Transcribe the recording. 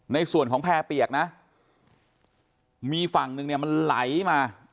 ในส่วนของแพร่เปียกนะมีฝั่งหนึ่งเนี่ยมันไหลมา